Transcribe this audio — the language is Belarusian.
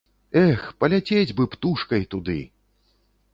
Эх, паляцець бы птушкай туды!